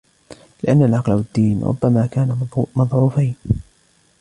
لِأَنَّ الْعَقْلَ وَالدِّينَ رُبَّمَا كَانَا مَضْعُوفَيْنِ